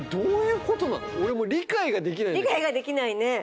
理解ができないね。